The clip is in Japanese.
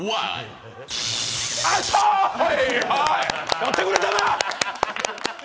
やってくれたな！